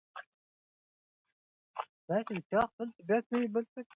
ایا دا څېړنه بشپړېږي؟